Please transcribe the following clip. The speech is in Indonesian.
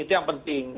itu yang penting